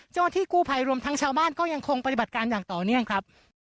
เจ้าหน้าที่กู้ภัยรวมทั้งชาวบ้านก็ยังคงปฏิบัติการอย่างต่อเนื่องครับ